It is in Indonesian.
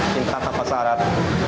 cinta tanpa syarat